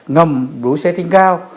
ngầm đuôi xe trên cao